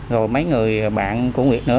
rồi mấy người bạn của nguyệt nữa